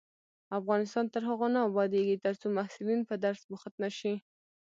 افغانستان تر هغو نه ابادیږي، ترڅو محصلین په درس بوخت نشي.